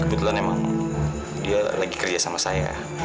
kebetulan emang dia lagi kerja sama saya